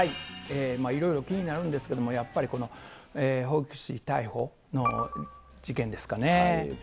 いろいろ気になるんですけれども、やっぱりこの保育士逮捕の事件ですかね。